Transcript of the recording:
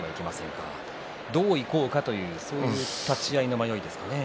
どういこうかという立ち合いの迷いですかね。